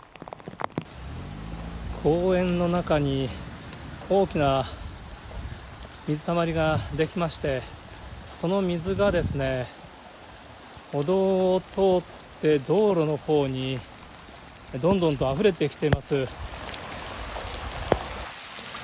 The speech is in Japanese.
公園の中に大きな水たまりが出来まして、その水が、歩道を通って、道路のほうにどんどんとあふれてきてます。